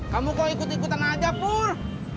kamu kok ikut ikutan aja bur